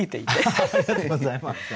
ありがとうございます。